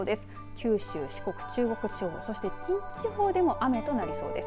九州、四国、中国地方そして近畿地方でも雨となりそうです。